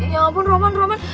ya ampun roman roman